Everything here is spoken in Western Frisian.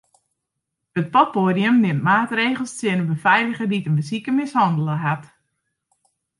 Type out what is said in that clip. It poppoadium nimt maatregels tsjin de befeiliger dy't in besiker mishannele hat.